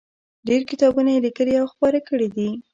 ډېر کتابونه یې لیکلي او خپاره کړي دي.